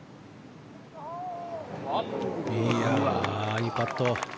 いいパット。